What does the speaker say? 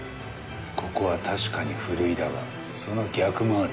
「ここは確かにふるいだがその逆もある」